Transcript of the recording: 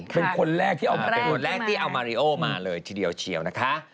เป็นคนแรกที่เอามาเป็นคนแรกที่เอามาริโอมาเลยทีเดียวเชียวนะคะ